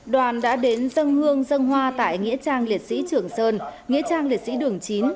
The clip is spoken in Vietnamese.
đoàn đã đến dân hương dân hoa tại nghĩa trang liệt sĩ trường sơn nghĩa trang liệt sĩ đường chín